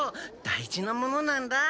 大事なものなんだ。